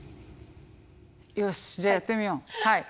よしじゃあやってみよう。